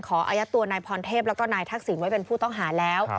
อายัดตัวนายพรเทพแล้วก็นายทักษิณไว้เป็นผู้ต้องหาแล้ว